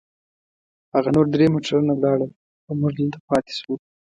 هغه نور درې موټرونه ولاړل، او موږ دلته پاتې شوو.